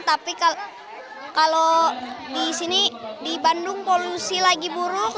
tapi kalau di sini di bandung polusi lagi buruk